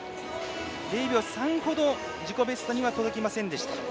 ０秒３ほど自己ベストには届きませんでした。